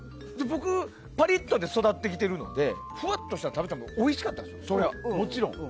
僕はパリッとで育ってきてるのでふわっとも食べたらおいしかったんです。